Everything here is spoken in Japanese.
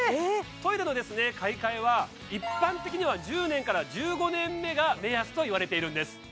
トイレの買い替えは一般的には１０年から１５年目が目安といわれているんです